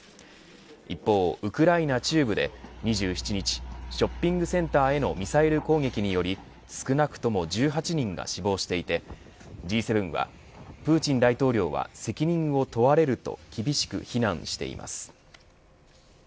一方、ウクライナ中部で２７日ショッピングセンターへのミサイル攻撃により少なくとも１８人が死亡していてＧ７はプーチン大統領は責任を問われると厳しく非難しています。